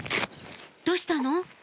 どうしたの？